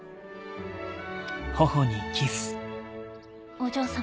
お嬢様。